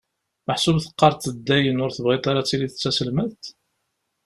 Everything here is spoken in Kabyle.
Meḥsub teqqareḍ-d dayen ur tebɣiḍ ara tiliḍ d taselmadt?